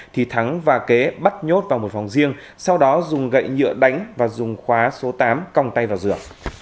thì thắng và kế bắt nhốt vào một phòng riêng sau đó dùng gậy nhựa đánh và dùng khóa số tám cong tay vào rửa